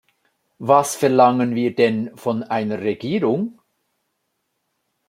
Was verlangen wir denn von einer Regierung?